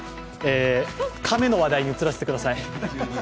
亀の話題に移らせてください。